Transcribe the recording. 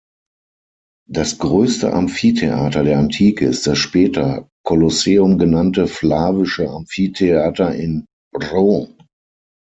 Das größte Amphitheater der Antike ist das später Kolosseum genannte Flavische Amphitheater in Rom.